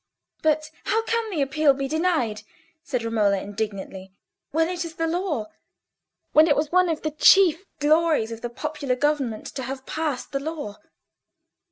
"But how can the Appeal be denied," said Romola, indignantly, "when it is the law—when it was one of the chief glories of the popular government to have passed the law?"